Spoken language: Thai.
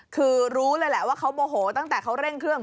คือรู้เลยแหละว่าเขาโมโหตั้งแต่เขาเร่งเครื่อง